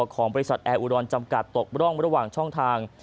ของบริษัทแอร์อุดรจำกัดตกร่องระหว่างช่องทาง